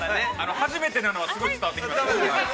◆初めてなのは、すごい伝わってきました。